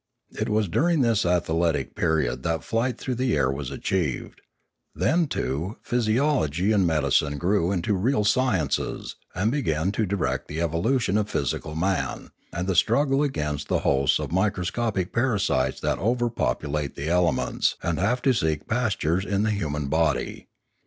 It was during this athletic period that flight through the air was achieved; then, too, physiology and medicine grew into real sciences and began to direct the evolu tion of physical man, and the struggle against the hosts of microscopic parasites that over populate the elements and have to seek pastures in the human body.